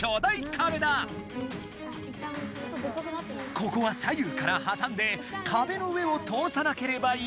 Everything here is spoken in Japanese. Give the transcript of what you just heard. ここは左右からはさんでかべの上を通さなければいけない。